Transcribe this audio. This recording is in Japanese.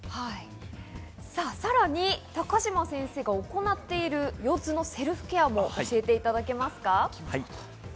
さらに高島先生が行っている腰痛のセルフケアも教えていただきますか？